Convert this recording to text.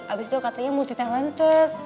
abis itu katanya multi talented